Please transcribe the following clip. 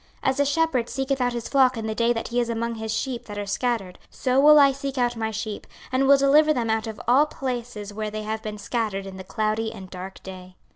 26:034:012 As a shepherd seeketh out his flock in the day that he is among his sheep that are scattered; so will I seek out my sheep, and will deliver them out of all places where they have been scattered in the cloudy and dark day.